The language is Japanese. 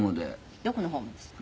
どこのホームです？